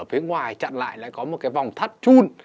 phía ngoài chặn lại lại có một cái vòng thắt chun